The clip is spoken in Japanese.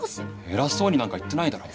偉そうになんか言ってないだろ！